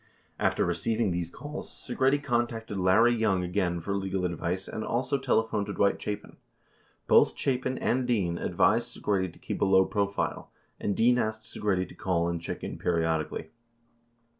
After receiving these calls, Segretti contacted Larry Young again for legal advice and also telephoned Dwight Chapin. Both Chapin and Dean advised Segretti to keep a low profile, and Dean asked Segretti to call and check in periodically.